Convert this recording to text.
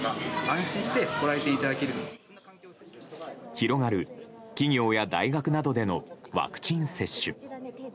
広がる企業や大学などでのワクチン接種。